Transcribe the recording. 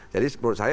jadi menurut saya